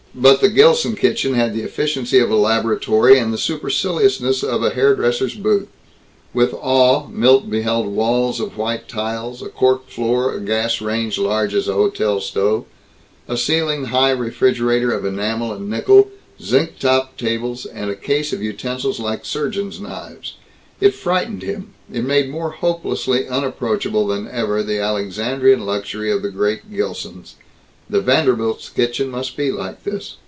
But the Gilson kitchen had the efficiency of a laboratory and the superciliousness of a hair dresser's booth. With awe Milt beheld walls of white tiles, a cork floor, a gas range large as a hotel stove, a ceiling high refrigerator of enamel and nickel, zinc topped tables, and a case of utensils like a surgeon's knives. It frightened him; it made more hopelessly unapproachable than ever the Alexandrian luxury of the great Gilsons.... The Vanderbilts' kitchen must be like this.